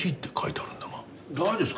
誰ですか？